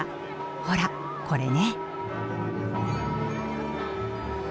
ほらこれね。